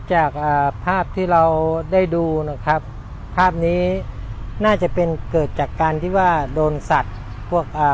จากภาพที่เราได้ดูภาพนี้น่าจะเป็นเกิดจากการโดนสัตว์